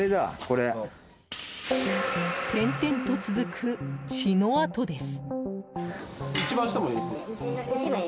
点々と続く血の痕です。